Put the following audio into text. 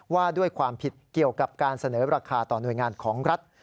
ว่าด้วยความผิดเกี่ยวกับการเสนอราคาต่อหน่วยงานของรัฐ